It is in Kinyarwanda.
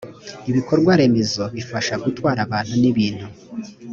ibikorwa remezo bifasha gutwara abantu n ‘ibintu .